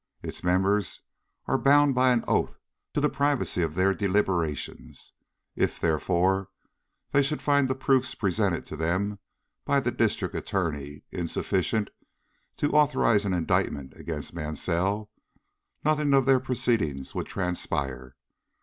Its members are bound by oath to the privacy of their deliberations. If, therefore, they should find the proofs presented to them by the District Attorney insufficient to authorize an indictment against Mansell, nothing of their proceedings would transpire.